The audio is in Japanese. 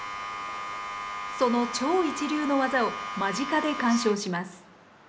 その超一流のわざを間近で鑑賞します。